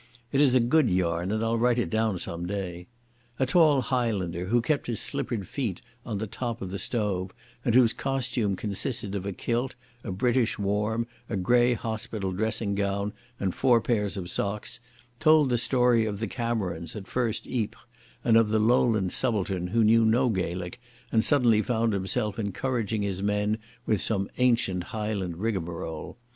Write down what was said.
It is a good yarn and I'll write it down some day. A tall Highlander, who kept his slippered feet on the top of the stove, and whose costume consisted of a kilt, a British warm, a grey hospital dressing gown, and four pairs of socks, told the story of the Camerons at First Ypres, and of the Lowland subaltern who knew no Gaelic and suddenly found himself encouraging his men with some ancient Highland rigmarole.